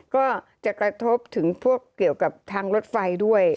ก็จะกระทบถึงพวกเกี่ยวกับทางรถไฟด้วย